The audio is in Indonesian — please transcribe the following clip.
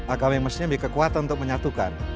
agama yang mestinya memiliki kekuatan untuk menyatukan